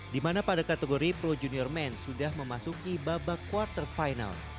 di mana pada kategori pro junior men sudah memasuki babak quarter final